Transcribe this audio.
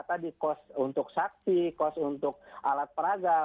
tadi kos untuk saksi kos untuk alat peraga